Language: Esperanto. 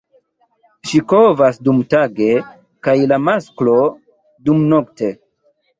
Ŝi kovas dumtage kaj la masklo dumnokte.